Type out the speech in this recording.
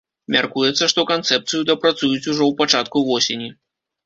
Мяркуецца, што канцэпцыю дапрацуюць ужо ў пачатку восені.